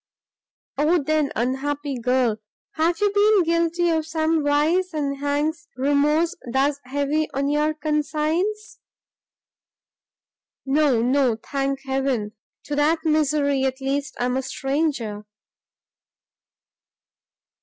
"O then, unhappy girl! have you been guilty of some vice, and hangs remorse thus heavy on your conscience?" "No, no; thank heaven, to that misery, at least, I am a stranger!"